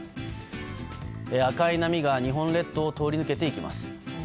赤い波が日本列島を通り抜けていきます。